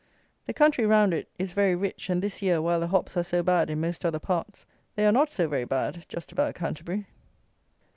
The country round it is very rich, and this year, while the hops are so bad in most other parts, they are not so very bad just about Canterbury.